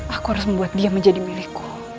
aku harus membuat dia menjadi milikku